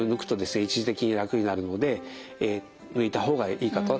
一時的に楽になるので抜いた方がいいかとは思います。